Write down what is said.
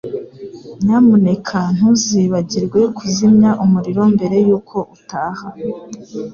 Nyamuneka ntuzibagirwe kuzimya umuriro mbere yuko utaha.